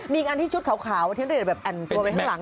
มีอีกอันที่ชุดขาวที่ณเดชน์แบบแอ่นตัวไว้ข้างหลัง